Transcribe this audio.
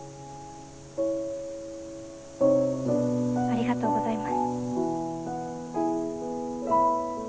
ありがとうございます。